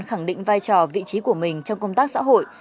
khẳng định vai trò vị trí của mình trong công tác xã hội